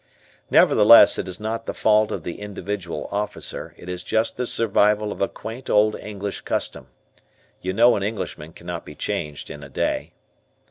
Nevertheless it is not the fault of the individual officer, it is just the survival of a quaint old English custom. You know an Englishman cannot be changed in a day.